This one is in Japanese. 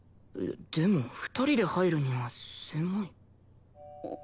でも２人で入るには狭い。